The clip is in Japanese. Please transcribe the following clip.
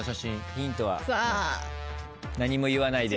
ヒントは何も言わないです。